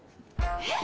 えっ！